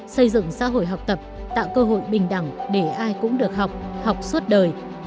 xây dựng xã hội học tập tạo cơ hội bình đẳng để ai cũng được học học suốt đời